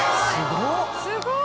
すごい！